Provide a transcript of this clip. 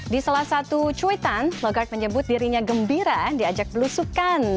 di salah satu cuitan logard menyebut dirinya gembira diajak belusukan